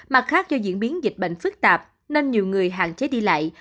mặt khác do diễn biến dịch bệnh phức tạp nên nhiều người hạn chế đi lại